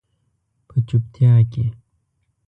په چوپتیا کې